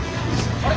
あれ？